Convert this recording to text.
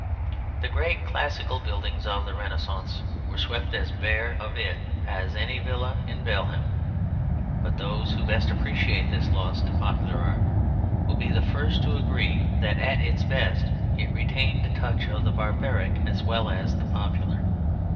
The great classical buildings of the Renascence were swept as bare of it as any villa in Balham. But those who best appreciate this loss to popular art will be the first to agree that at its best it retained a touch of the barbaric as well as the popular.